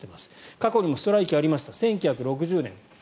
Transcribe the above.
過去にもストライキ、ありました１９６０年。